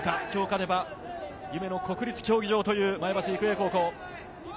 今日勝てば夢の国立競技場という前橋育英高校。